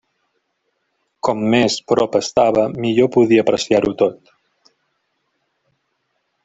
Com més prop estava, millor podia apreciar-ho tot.